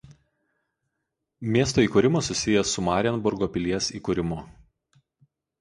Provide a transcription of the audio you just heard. Miesto įkūrimas susijęs su Marienburgo pilies įkūrimu.